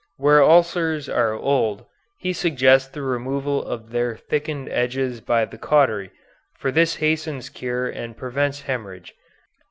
Where ulcers are old, he suggests the removal of their thickened edges by the cautery, for this hastens cure and prevents hemorrhage.